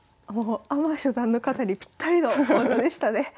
アマ初段の方にぴったりの講座でしたね。